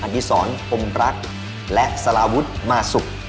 อธิษรอมรักษ์และสารวุฒิมาสุก